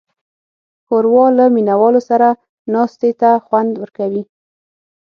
ښوروا له مینهوالو سره ناستې ته خوند ورکوي.